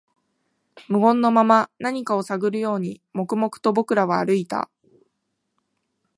無言のまま、何かを探るように、黙々と僕らは歩いた